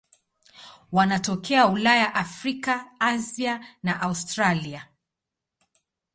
Wanatokea Ulaya, Afrika, Asia na Australia.